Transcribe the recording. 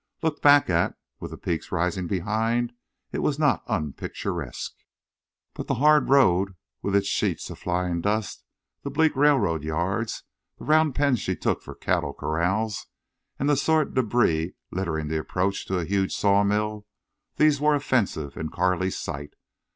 Looked back at, with the peaks rising behind, it was not unpicturesque. But the hard road with its sheets of flying dust, the bleak railroad yards, the round pens she took for cattle corrals, and the sordid debris littering the approach to a huge sawmill,—these were offensive in Carley's sight.